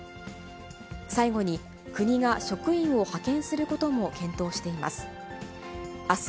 最後に、国が職員を派遣することも検討しています。